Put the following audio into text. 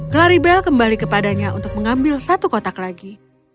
claribel kembali kepadanya untuk mengambil satu kotak lagi